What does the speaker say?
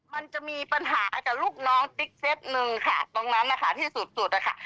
มันจะมีปัญหากับลูกน้องติ๊กเซตหนึ่งค่ะตรงนั้นนะคะที่สุดสุดนะคะ